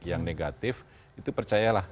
yang negatif itu percayalah